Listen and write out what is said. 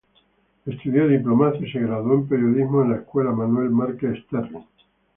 Estudió diplomacia y se graduó en periodismo en la Escuela Manuel Márquez Sterling.